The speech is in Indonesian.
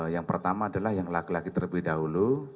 yang pertama adalah yang laki laki terlebih dahulu